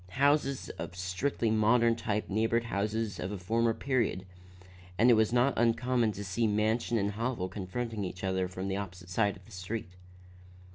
Houses of strictly modern type neighbored those of a former period, and it was not uncommon to see mansion and hovel confronting each other from the opposite side of the street.